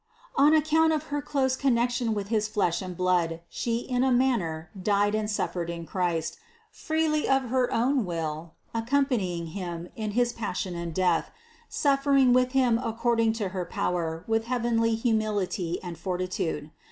On account of her close THE CONCEPTION 225 connection with his flesh and blood, She in a manner died and suffered in Christ, freely of her own will ac companying Him in his Passion and Death, suffering with Him according to Her power with heavenly humil ity and fortitude.